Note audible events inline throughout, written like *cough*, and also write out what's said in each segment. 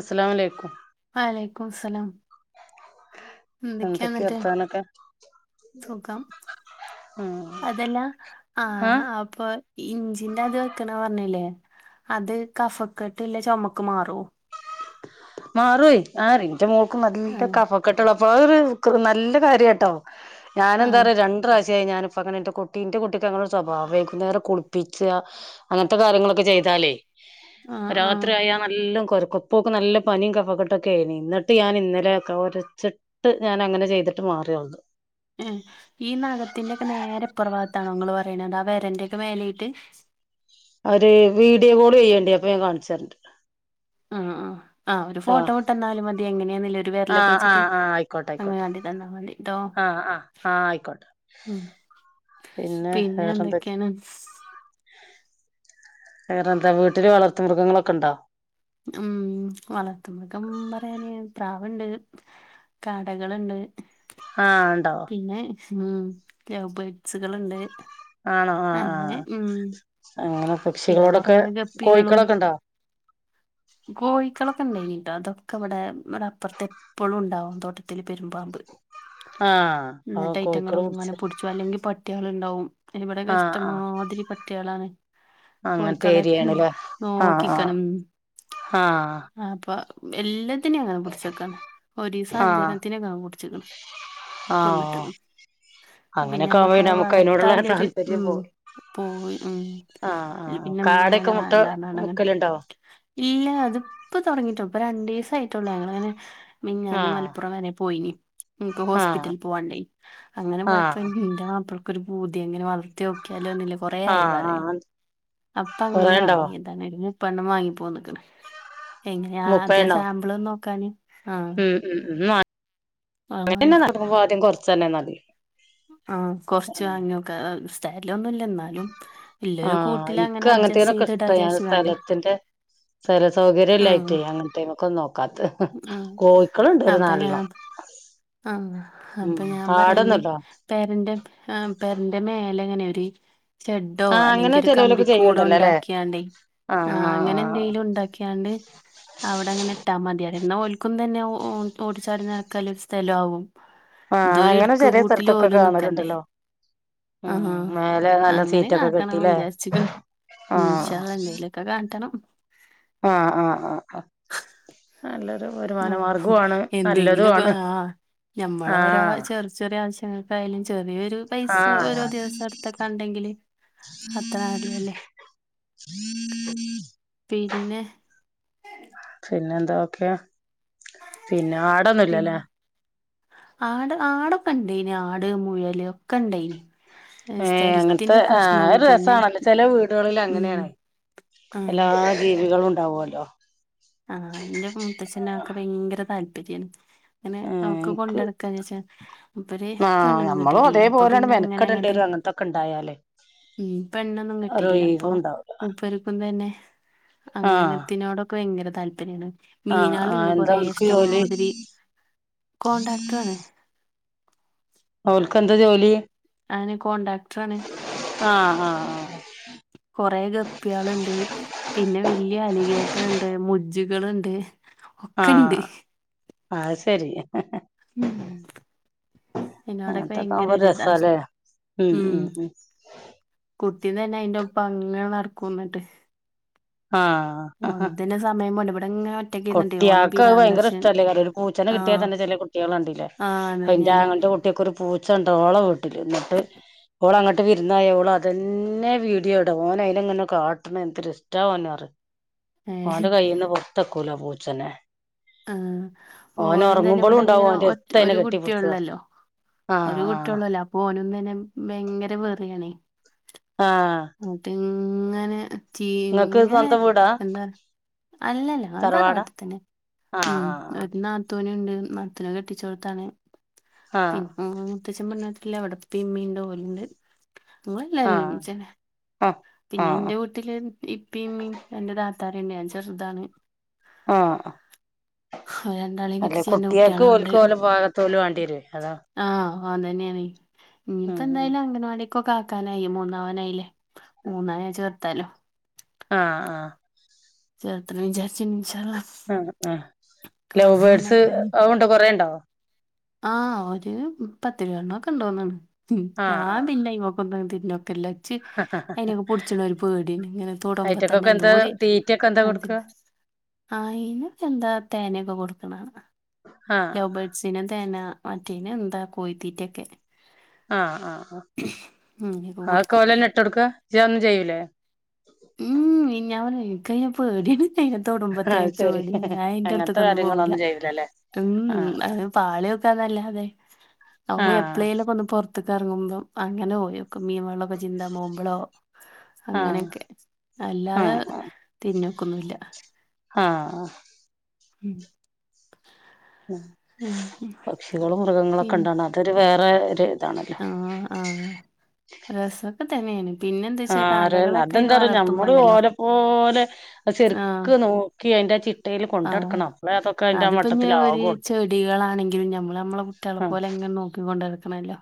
അസലാമലൈക്കും. വലൈക്കും സ്ലാം. എന്തൊക്കെയ വർഥാനൊക്കെ? സുഖം അതല്ല ആഹ് അപ്പൊ. ഇഞ്ചിന്റെ അത് വെക്കണ പർഞ്ഞില്ലേ അത് കഫക്കെട്ട്ള്ളെ ചുമക്ക് മാറോ? മാറെ ആറിന്റെ മോൾക്ക് ആ നല്ല കഫക്കെട്ടുള്ള തൊരു നല്ല കാര്യട്ടോ ആ ഞാനെന്താ പറിയ രണ്ട് പ്രാവശ്യായി ഞാനിപ്പോ അങ്ങനെന്റെ കു കുട്ടീന്റെ കുട്ടിക്ക് അങ്ങനെ സ്വഭാവംമായി നേരെ കുളിപ്പിച്ച അങ്ങനത്തെ കാര്യങ്ങളൊക്കെ ചെയ്താലേ. ആ ആ രാത്രി ആയാൽ നല്ലം കൊരക്കും ഇപ്പോക്ക് നല്ല പനിയും കഫകെട്ടൊക്കെ ആയിന് ഇന്നിട്ട് ഞാൻ ഇന്നലെ കൊരച്ചിട്ട് ഞാൻ അങ്ങനെ ചെയ്തിട്ട് മാറിയള്ളത്. ഉ ഈ നഗത്തിന്റെറെക്കെ നേരെ പൊറഭാഗത്താണൊ ങ്ങൾ പറയണത് ആ വരന്റെറെ ഒക്കെ മേലയായിട്ട് ഒര് വീഡിയോ കോൾ ചെയ്യേണ്ടി അപ്പൊ ഞാൻ കാണിച്ചെര്ണ്ട്. ആ ആ ഒരു ട്ടോ ഫോട്ടോ വിട്ടന്നാലും മതി എങ്ങനെയ വെരെലൊക്കെ ആഹ് വെച്ചിട്ട് ആഹ് ആഹ് ആയിക്കോട്ടെ അങ്ങനെ ആയിക്കോട്ടെ കാട്ടി തന്നാ മതി ട്ടോ ആഹ് ആഹ് ആഹ് ആയിക്കോട്ടെ ഉം പിന്നെ എന്തൊക്കെയാണ്? വേറെന്ത വീട്ടില് വളർത്ത് മൃഗങ്ങളൊക്കെണ്ടോ? ഉം വളർത്ത മൃഗം പറയാന് പ്രാവ്ണ്ട്. കാടകളുണ്ട്. ആ ഇണ്ടോ. പിന്നെ ഉ ലൗബെഡ്സുകള്ണ്ട്. ആണോ ആഹ് ആഹ് അങ്ങനെ പിന്നെ കൊറേ പക്ഷികളോടൊക്കെ ഗപ്പികളും കോഴിക്കളൊക്കെണ്ടോ? കോഴിക്കളൊക്കെ ഉണ്ടൈന്ട്ടോ അതൊക്കെ ഇവിടെവിടെ അപ്പുറത്തെ ഇപ്പളുണ്ടാവും തോട്ടത്തില് പെരുമ്പാമ്പ്. ആഹ് അപ്പൊ ന്നിട്ട് കോഴിക്കള് പിടിച്ച ഐറ്റങ്ങള്ങ്ങനെ പിടിച്ചു അല്ലെങ്കിൽ പട്ടികള്ണ്ടാവും എനിവിടെ ആഹ് ആഹ് ഇഷ്ടമാതിരി പട്ടിയളാണ്. അങ്ങനത്തെ കോയിക്കളെക്കെ ഏരിയാണല്ലേ ആഹ് ആഹ് നോക്കിക്കണം ആഹ് അപ്പൊ എല്ലത്തിനേം അങ്ങനെ പിടിച്ചേക്കണ് ആഹ് ഒരീസഞ്ചണ്ണത്തിനക്കെ പിടിച്ചക്കണ്. ആഹ് ഓഹ് അങ്ങനെക്കാമ്പോ നമ്മക്കത് പിന്നെ നമുക്ക് അതിനോടുള്ള വളർത്താല്ലൊരു താല്പര്യം ഉം പോകും. പോയി ഉം ആഹ് അ ആഹ് പിന്നെ മ്മ കാടയൊക്കെ അങ്ങനെ മുട്ട വേണ്ടാന്ന് പർഞ് അങ്ങന. മുക്കലുണ്ടോ ഇല്ല തിപ്പോ തുടങ്ങിട്ടു ഇപ്പൊ രണ്ടീസ ആയിട്ടുള്ളൂ ഞങ്ങളിങ്ങനെ. മെഞ്ഞാന്ന് ആഹ് മലപ്പുറം വരെ പോയിന്. പ്പക്ക് ആഹ് ഹോസ്പിറ്റലിൽ പോവാണ്ടേയ്ന് അങ്ങനെ ആഹ് പോയപ്പോ ന്റെ മാപ്പൾക്ക് ഒരു പൂതി അങ്ങനെ വളർ ത്യോക്ക്യാലോന്നുള്ളെ കുറെയായി ആഹ് പറെയ്ന്ന്. ആഹ് അപ്പ അങ്ങനെ കൊറേണ്ടോ വാങ്ങിയതാണ് ഒരു മുപ്പെണ്ണം വാങ്ങിപ്പോന്ന്‌ക്ക്‌ണ് എങ്ങനെയ ആദ്യം മുപ്പതെണ്ണോ നളും നോക്കാന് ആഹ് ഉം ഉം ഉം അത് വാങ്ങി അങ്ങനന്നെ നടക്കുമ്പോ ആദ്യം കൊറച്ച തന്നെ ന ആഹ് കൊർച്ച് വാങ്യോക്ക സ്ഥലോന്നുല്ല ന്നാലും ആഹ് ഇൻക്ക് അങ്ങത്തീനൊക്കെ ഇഷ്ട്ടാ വിചാരിച്ച് കാണ്ടേ ഞാന്സ്ഥലത്തിന്റെ ആഹ് സ്ഥലസൗകര്യഇല്ലായ്ട്ടേ അങ്ങത്തീമക്കൊന്നും നോക്കാത് ആഹ് കോയ്ക്കൾണ്ട് അപ്പൊ ഒര്നാല്ലെണം. ഞാൻ *inaudible* ആഹ് അപ്പഞാൻ പറയഞ്പെരന്റെ ആ പെരന്റെ മേലെങ്ങനെഒര് ശെഡോ ആഹ് അങ്ങനെ അല്ലെങ്കി ചെലോലൊക്കെ ഒര്കമ്പിക്കൂടോ ചെയ്യ്ണ്ടല്ലോ ല്ലേ ഇണ്ടാക്കിയാണ്ടേ. ആഹ് അങ്ങനെന്തെലും ഇണ്ടാക്കിയാണ്ട്. അവടെങ്ങനെ ഇട്ടാമതിലോ ന്നാ ഓൽക്കുംതെന്നെ ഓ ഓടിച്ചാടിനടക്കൽ ഒര്സ്ഥലാവും. ആഹ് ത്ഒര് അങ്ങനെ ചെറിയ ഇട്ക്ക്കൂട്ടില് സ്ഥലത്തൊക്കെ ഓലുംനിക്കണ്ടേ? കാണലുണ്ടല്ലോ ഉം ആഹാ മേലെ നല്ല അങ്ങനിം സീറ്റൊക്കെ കെട്ടില്ലേ കാക്കണംവിജാരിച്ക്ക്ണ് ഉം ആഹ് ഇൻശാ അള്ള എന്തെലും കെകാട്ടണം. ആഹ്, ആഹ്, ആഹ്, ആഹ് നല്ലൊരു ഓരോ വരുമാനമാർഗോണ് എന്തെങ്കിലുമൊക്കെ നല്ലതുണ് ആ ഞമ്മളോരോ ആഹ് ചെറിയ ചെറിയ ആവശ്യങ്ങക്കായാലും ചെറി ഒര്പൈസ ആഹ് ഓരോദിവസം ഇട്ത്തൊക്കെ ഇണ്ടെങ്കില് അത്രന്നല്ലതല്ലേ. പിന്നെ പിന്നെന്തോക്കെ പിന്നെ പി ആടൊന്നുല്ലല്ലേ ആട് ആടൊക്കെഇണ്ടയ്നി ആട്, മുയല് ഒക്കെഇണ്ടായ്നി ഹേ അങ്ങൻത്തെ ആഹ്ഒര് പിന്നെ രെസണല്ലോ ചെലേവീടുകളിൽ ഉം അങ്ങനെണ് ആ എല്ലാ ജീവികളും ഇണ്ടാവോലോ? ആഹ് ഇന്റെ മുൂത്തച്ഛനഹൊക്കെ ഭയങ്കരതാല്പര്യ ഏ അങ്ങനെഅവൊക്കെ എനിക്ക് കൊണ്ടടക്കാവെച്ചാ ആ ഇവര്പെണ്ണൊന്നും കെട്ടീട്ടില്ലേ അപ്പൊപിന്നെ ഇങ്ങനെങ്ങട്ട് ക്കണ്ടായാല് ഉം പെണ്ണൊന്നും കെട്ടില്ലപ്പോ ഉണ്ടാവൂല മൂപ്പര് ക്കുംതെന്നെ ആ അങ്ങനത്തിനോടൊക്കെ ഭയങ്കരതാല്പര്യണ്. ആ ആ എന്താ മീനാള്ണ്ട്കൊറെ ഓൽക്ക് ജോലി ഇഷ്ട്ടമാതിരി കോട്രാക്ട്ടെറാണ്. ഓൽക്കെന്താജോലി? ആണ് കോണ്ടാക്ട്ട്റാണ്. ആ ആ കൊറേ ഗപ്പിൾണ്ട്. പിന്നെവെല്ല്യാ അലിഗേറ്റർഇണ്ട് മുജ്ജികൾണ്ട്. ആഹ് അഹ്ശെരി ഉം എന്നോടൊക്കെ അങ്ങതൊക്കെ ഭയങ്കര ഒരിതാ ആവുമ്പോരെസാലേ ഉം, ഉം, ഉം കുട്ടിംതെന്നെ അയിന്റെഒപ്പങ്ങനെ നടക്കുംന്നട്ട് ആഹ് തന്നെ സമയം പോണ്ടെ ഇവിടെങ്ങനെ ഒറ്റക്കിരുന്നിട്ടെ ഓനും അഹാകുട്ടിയാക്ക് അഹ്ഭയങ്കര പിരാന്തടിച്ച് ഇഷ്ട്ടയ്ക്കാരിം ഒര് പൂച്ചനെ കിട്ടിയാൽ ആഹ് തെന്നെ ചെലേകു കുട്ടികള്കണ്ടീലെ ആഹ് അഹ്ഇന്റെ അതന്നെയാണ് ആങ്ങളന്റെ കുട്ടിയാക്ക് ഒര്പൂച്ചണ്ട് ഓളെവീട്ടില്ന്നട്ട് ഓളങ്ങട്ട് വിര്ന്നോയ ഓൾഅതെന്നെ വീഡിയോഇട ഓന്അനങ്ങനെ കാട്ടണ എന്തൊര് ട്ടാഓനറി ഏഹ് ഓന്റെ കയ്യ്ന്ന് പൊർത്തെക്കൂല പൂച്ചനെ ആഹ് ഓന് ഓനും തന്നെ ഒർങ്ങുമ്പളും ഇവിടെ ഇണ്ടാവും ഇങ്ങനെ ഒറ്റ ഓന്റെട്ത്ത് അയ്നെ ഒരു കെട്ടിപ്പുടിച ആഹ് ആഹ് ത്രോള്ളല്ലോ അപ്പൊ ഓനും തെന്നെ ഭയങ്കര വെറിയാണേ ആഹ് ന്നട്ട് ഇങ്ങനെ ചീ നിങ്ങക്ക് ഇങ്ങനെ സ്വന്തം വീടാ എന്താ? അല്ലല്ല ഞങ്ങള് തറവാടാ തറവാട്ടിൽ തന്നെ ഉമ് ആഹ് ഒര്ന്നാ തൂന്ണ്ട് നാത്തൂന് കെട്ടിച്ചോട്ത്താണ് ആഹ് പിന്നെ മൂത്തഛൻ പെണ്ണ് കെട്ടീല്ല ഇവടെ യിപ്പി യിമ്മിണ്ട് ഓല്ണ്ട് അങ്ങളെല്ലാരും ആഹ് ഒരുമിച്ചെന്നേ ആഹ് പിന്നെ ആഹ് ഇന്റെ വീട്ടില് യിപ്പി ഇമ്മീ രണ്ട് താത്തര്ണ്ട് ഞാൻ ചെർതാണ്. ആഹ് അഹ് അല്ലെ കുട്ട്യാക്ക് ഓൽക്ക് ഓലേ പാകത്തോല് വാണ്ടിയെരോയ് അതാണ്. ആഹ് ഓൻ തന്നെയെണ് ഇഞ്ഞിപ്പോ ഉം എന്തായാലും അങ്കനവാടി ക്കൊക്കാക്കാനായി മൂന്നാവാനായില്ലേ മൂന്നായാ ചേർത്താലോ ആഹ് ആഹ് ചേർത്തണം വിചാർച്ചീനി ഇൻശാള്ളാ ആഹ് ആഹ് ലവ് ബേർഡ്സ് അ ഉണ്ടൊ കൊറേണ്ടൊ ആഹ് ഒര് പത്തിരുപേണ്ണക്കണ്ടോന്ന് തോന്ന് ണ് ആഹ് ഞാൻ പിന്നെ അയ്മ ക്കൊന്നും തിരിഞ്ഞോക്കല്ല പ്പം ച്ച് ആഹ് അയ്നൊക്കെ പുടച്ച്ണ ഒരു പേട്യാണ് ഇങ്ങനെ തൊടമ്പോ തന്നെ അയിറ്റക്കൊക്കെ എന്താ എന്തോര് തീറ്റൊക്കെ എന്താ കൊടുക്ക മാതിര്യാണ് ആയിനൊക്കെന്താ തെനെക്കെ കൊട്ക്ക്ണാണാ ആഹ് ലൗബേർഡ്സിന് തെന മറ്റേനെന്താ കോയിത്തീറ്റൊക്കെ ആഹ് ആഹ് അങ്ങനെയൊക്കെ അഹ് അഹ് ഒക്ക കൊടുക്കും ഒലന്നെട്ടൊട്ക്കാ ജജ് അഹ് ഒന്നും ചെയ്യൂലേ ഉമ് ഞാനെ ഇൻക് അയ്നെ പെട്യാണ് അയ്നെ അത് തൊടുമ്പത്തന്നെച്ച് ശരി പേട്യാണ് ഞാൻ അങ്ങനത്തെ അയ്ൻ്റട്ത്ത്ക്കൊന്നും പോവൂല കാര്യങ്ങളൊന്നും ചെയ്യൂലല്ലേ ഉമ് ആഹ് അത് പാള്യോക്കാന്നല്ലാതെ അതും ആഹ് എപ്ലൈയിലൊക്കെ ഒന്ന് പൊർ ത്ത്ക്ക് എർങ്ങുമ്പം അങ്ങനെ പോയോക്കും മീം വള്ളക്കെ ചിന്താമ്പോവുമ്പളോ ആഹ് അങ്ങനൊക്കെ അല്ലാതെ ആഹ് തിർഞ്ഞോക്കുന്നുല്ല ആഹ് ഉമ് ഉമ് പക്ഷികളും മൃഗങ്ങളൊക്കെ പിന്നെ ണ്ടാണത് അതൊരു വേറെ ഒരു ഇതാണല്ലോ ആഹ് ആഹ് രസൊക്കെ തന്നെയാണ് പിന്നെന്താച്ചാ ആര് കാടകളൊക്കെ അതെന്താറിയോ ഞമ്മള് വളർത്തുമ്പണ്ടല്ലോ ഓലെ അത് ശരിക്ക് നോക്കി അയ്ൻ്റാ ചിട്ടെയ്ല് ആഹ് കൊണ്ടടക്കണം അപ്പളെ അതൊക്കെ അയ്ൻ്റാ അതിപ്പോ ഇനി ഒരു മട്ടത്തിലാവുള്ളു ചെടികളാണെങ്കിലും നമ്മള് നമ്മളെ കുട്യാളെ ആ പോലെങ്ങനെ നോക്കി കൊണ്ടടക്കണല്ലോ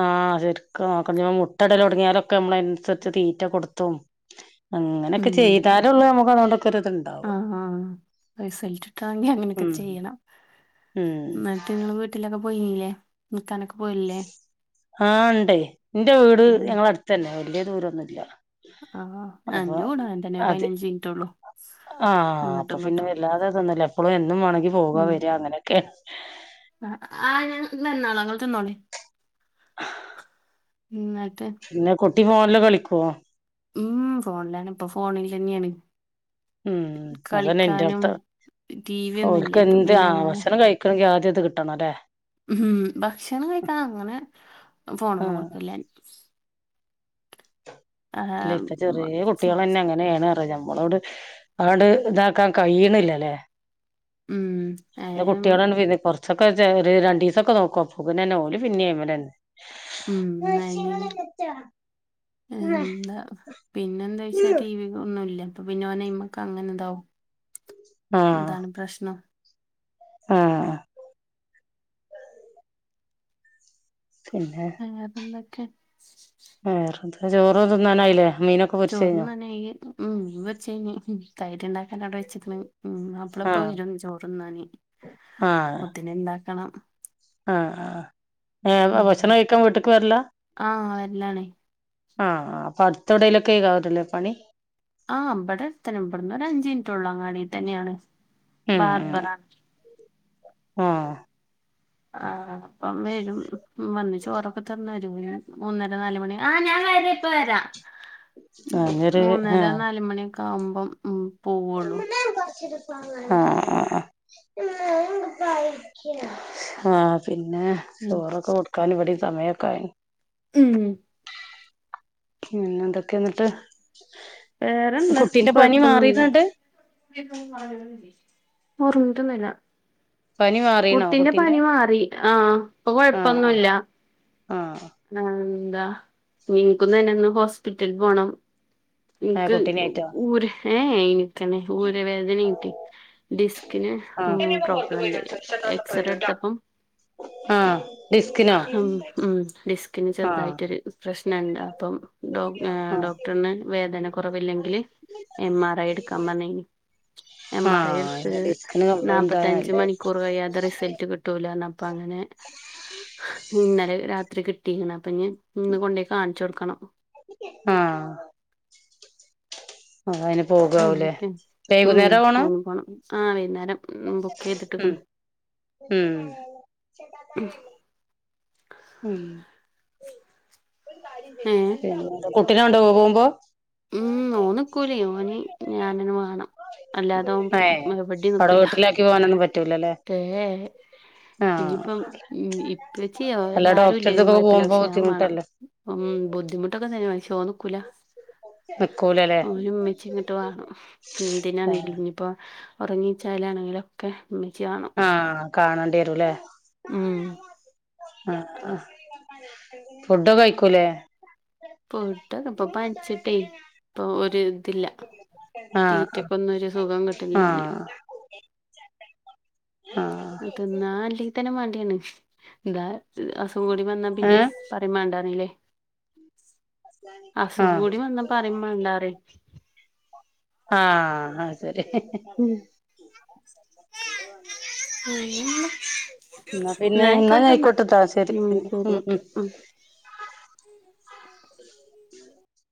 ആഹ് ശരിക്ക് നോക്കണം ഞ്ഞ്പ്പം മുട്ടടൽ തൊടങ്ങിയാലൊക്കെ നമ്മള അത് അനുസരിച്ച് തീറ്റ കൊടുത്തും അങ്ങനൊക്കെ ചെയ്താലൊള്ളു നമുക്ക് അതോണ്ടൊക്കരുത്ണ്ട് ആഹ് ആഹ് റിസൾട്ടിട്ടണെങ്കി അങ്ങനൊക്കെ ഉം ചെയ്യണം ഉം ന്നട്ട് ങ്ങള് വീട്ട് വീട്ടിലൊക്കെ പോയിനീല്ലേ നിക്കാനൊക്കെ പോയില്ലേ ആഹ് ണ്ടേ ന്റെ വീട് ഉം. ഞങ്ങള അടുത്തന്നെ വല്യ ദൂരൊന്നുല്ല ആ അപ്പൊ എൻ്റെ കൂടെ അങ്ങനെ തന്നെ അത് പതിനഞ്ച് മിനിറ്റ് ഉള്ളൂ ആഹ് അങ്ങോട്ടും അപ്പൊ പിന്നെ ഇങ്ങോട്ടും വ വല്ലാതതൊന്നുല്ല എപ്പളും എന്നും വാണെങ്കി പോകാ വര്യ അങ്ങനൊക്കേണ് ആഹ് ഞാൻ ന്നെന്നോളാ ങ്ങള് തിന്നോളി ആഹ് ന്നട്ട് പിന്നെ കുട്ടി ഫോൺല് കളിക്കോ ഉമ് ഫോണിലെന്നെപ്പ പ്പഫോണിലെ ന്യാണ് ഉമ് അതന്നെ ൻ്റാട്ത്തെ ടി വി ഒന്നും ഇല്ല ഓൽക്ക് ഇപ്പൊ എന്ത് പിന്നെ ആ അങ്ങനെ ഭക്ഷണം കഴിക്കും ക്കണെങ്കി ആദ്യം ത് കിട്ടണം ല്ലേ ഉമ് ഭക്ഷണം കഴിക്കാൻ അങ്ങനെ ഫോണൊന്നും ആഹ് കൊട്ക്കേല്ല ഞാൻ ആ, അല്ലെ ഇപ്പൊ ചെറ്യേ കുട്ടികളന്നെങ്ങന് അങ്ങനേണ് പറ ഞമ്മളോട് ആണ്ട് ഇതാക്കാൻ കയ്യിണില്ലല്ലേ ഉം ഏ, പിന്നെ കുട്യളാണ് വര്ണ കൊറച്ചൊക്കെ ഒര് ര ര രണ്ടീസൊക്കെ നോക്കു അപ്പൊപ്പിന്നെ ന്നെ ഓല് പിന്നേം അങ്ങനെന്നെ ഉം, മ്മച്യേ ഞാൻ ങ്ങളെ *unintelligible* എന്താ പിന്നെന്താച്ചാ ടി വി ഒന്നുല്ല അപ്പ പിന്നെ ഓനൈമക്ക് അങ്ങനിതാവും ആഹ് എന്താണ് പ്രശ്നം ആഹ് പിന്നെ ആ പിന്നൊക്കെ വേറെന്താ ചോറ് തിന്നാനായിലെ മീനൊക് ചോറ്ന്നാനായി ഉം മീൻ പൊര്ച്ചയ്ഞ്ഞ് തൈരണ്ടാക്കാനവ്ടെ വെച്ച്ക്ണ് ഉം മാപ്ലപ്പോ ആഹ് വരും ചോറ്ന്നാന് ആഹ് അപ്പോത്ത്ന്ണ്ടാക്കണം ആഹ് ആഹ് ഏ ഭക്ഷണം കഴിക്കാൻ വീട്ട്ക്ക് വരലാ ആഹ് വരലാണേ ആഹ് ആഹ് അപ്പടുത്തെവിടെയിലൊക്കെ ആവത്തില്ലേ പണി ആഹ് ഇബ്ടെ എട്ത്തന്നെ ഇബ്ടന്ന് ഒരഞ്ചിൻറ്റൊള്ളൂ അങ്ങാടി തന്നെണ് ഉം ഉം ബാർബറാണ് ആഹ് ആഹ് ഇപ്പം വരും വന്ന് ചോറൊക്കെ തന്നരു മൂന്നര നാലുമണി ആഹ് ഞാൻ വരാ പ്പ വരാ ഞാനൊരു മൂന്നര ആഹ് നാലുമണിയൊക്കെ ആവുമ്പം ഉം പോവുള്ളൂ *unintelligible* ആഹ് ആഹ് പിന്നെ ഉം ചോറൊക്കെ കൊടുക്കാൻ ഇവിടേം സമയൊക്കെയായി ഉം പിന്നെന്തൊക്കെയാ ന്നിട്ട് വേറെന്താ കുട്ടീന്റെ പനി മാറീന്നാണ്ട് മാറീട്ടൊന്നൂല പനി മാറീണോ കുട്ടിന്റെ കുട്ടീന്റെ പനി മാറി ആഹ് ഇപ്പൊ ആഹ് കൊഴപ്പൊന്നൂല്ല ആഹ് ആഹ് ന്താ ഇൻക്കും തന്നെന്ന് ഹോസ്പിറ്റൽ പോണം ആ ഇൻക്ക് കുട്ടിനായിട്ടോ ഊര് ഏ ഇനിക്കനെ ഊര വേദനായിട്ട് ഡിസ്കിന് ആഹ് ഉം പ്രോബ്ലംണ്ട് എക്സറേ ടുത്തപ്പം ആഹ് ഡിസ്കിനോ ഹം ഉം ഡിസ്കിന് ആഹ് ചെറുതായിട്ടൊരു പ്രശ്നുണ്ട് അപ്പം ഡോ ആഹ് ഡോക്ടററഞ്ഞ് വേദന കുറവില്ലെങ്കില് എം ആർ ഐ എടുക്കാൻ പറഞ്ഞിനി എം ആർ ഐ എടുത്ത് ആഹ് ഡിസ്കിന് കംപ്ലൈന്റ് ആയ നാപ്പത്തഞ്ച് നല്ലത് മണിക്കൂറ് കഴിയാതെ റിസൽറ്റ് കിട് ട്ടൂലാന്ന് അപ്പങ്ങനെ ഇന്നലെ രാത്രി കി ട്ടീക്കണ് അപ്പഞ് ഇന്ന് കൊണ്ടോയ് കാണിച്ചൊടുക്കണം ആഹ് ആഹ് *unintelligible* എന്തൊക്കെ ഉം ഓ പോണം പോണം ആഹ് വൈന്നേരം ബുക്ക് ഉം ചെയ്തിട്ടേക്കണ് ഉം *unintelligible* ഉം ഏഹ് കുട്ടീനെ കൊണ്ടോവോ പോകുമ്പോ ഉം ഓൻനിക്കൂലെ ഓന് ഞാനന്നെ വേണം ഏഹ് അല്ലാതവൻ എവിടേം അവിടെ നിക്കൂല വീട്ടിലാക്കി പോകാനൊന്നും പറ്റൂലല്ലേ ടേ ആഹ് ഇതിപ്പം ഇ ഇപ്പച്ചിയോ അല്ല ഇലാരുല്ലേലും ഡോക്ടറെടുത്തൊക്കെ കുഴപ്പല്ലാ പോകുമ്പോ ക്ഷേ ഞാൻ വേണം ബുദ്ധിമുട്ടല്ലേ ഉം ബുദ്ധിമുട്ടൊക്കെ തന്നെ പക്ഷേ ഓൻ നിക്കൂല നിക്കൂലല്ലേ ഓ ഉമ്മച്ചി ങ്ങോട്ടുവാ ഏ എന്തിനാണെങ്കിലും പ്പൊ ഉറങ്ങിച്ചാലാണെങ്കിലൊക്കെ ഇമ്മച്ചി വേണം ആഹ് കാണേണ്ടി വരൂല്ലേ ഉം ആഹ് ആഹ് ഫുഡൊക്കഴിക്കൂലേ പോയിട്ട്പ്പൊ പനിച്ചിട്ടെ പ ഒരു ഇതില്ല ആഹ് തീറ്റക്കൊന്നും ഒരു സുഖം കിട്ടിണില്ല ഓന് ആഹ് ആഹ തിന്നാൻ അല്ലിതന്നെ മടിയാണ് എന്താ അസുഖം കൂടി വന്നാ ഏ പിന്നെ പറിം മാണ്ടറഞ്ഞില്ലേ അസുഖം ആഹ് കൂടി വന്ന പറിംമാണ്ടാറിം ആഹ് അത്‌ ശരി ഉം *unintelligible* ന്നാ പിന്നെ ഇന്നാ ആയിക്കോട്ടെട്ടാ ശെരി പിന്നെ ഉം ഉം *inaudible*